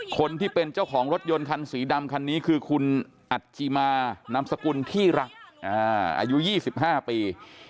คนที่เป็นเจ้าของรถยนต์คันสีดำคันนี้คือคุณอัจจิมานามสกุลที่รักอายุ๒๕ปี